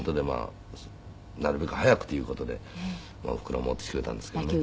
なるべく早くという事でおふくろが持ってきてくれたんですけどね。